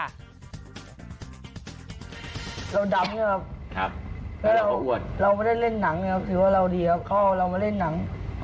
เราดำเนี่ยครับถ้าเราไม่ได้เล่นหนังเนี่ยคือว่าเราดีกว่าข้อเรามาเล่นหนัง